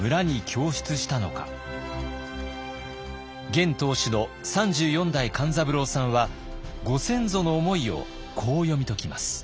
現当主の３４代勘三郎さんはご先祖の思いをこう読み解きます。